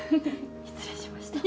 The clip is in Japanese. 失礼しました。